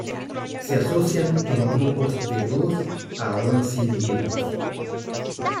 Se asocian en grupos de dos a once individuos.